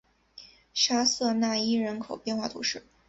沙瑟讷伊人口变化图示